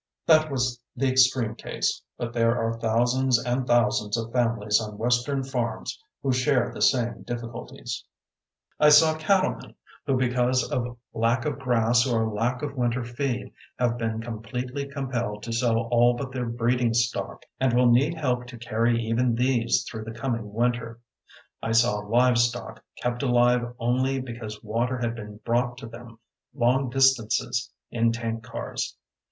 That was the extreme case, but there are thousands and thousands of families on Western farms who share the same difficulties. I saw cattlemen who because of lack of grass or lack of winter feed have been completely compelled to sell all but their breeding stock and will need help to carry even these through the coming winter. I saw livestock kept alive only because water had been brought to them long distances in tank cars.